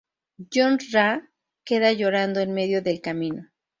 Yon Ra queda llorando en medio del camino.